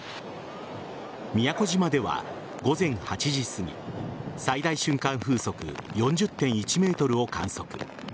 宮古島では、午前８時すぎ最大瞬間風速４０．１メートルを観測。